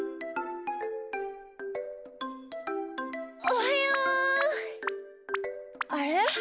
おはよう。あれ？